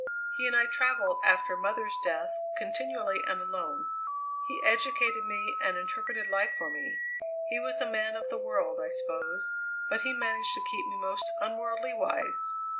He and I travelled after mother's death continually, and alone. He educated me and interpreted life for me; he was a man of the world, I suppose, but he managed to keep me most unworldly wise.